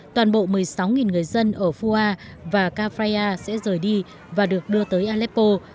toàn bộ một mươi sáu người dân ở fua và cafrea sẽ rời đi và được đưa tới aleppo